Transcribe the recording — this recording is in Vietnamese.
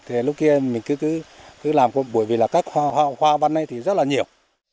thì lúc kia mình cứ làm bởi vì các hoa văn này thì rất là nhiều